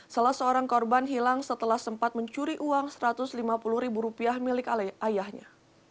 salah seorang korban hilang setelah sempat mencuri uang rp satu ratus lima puluh milik ayahnya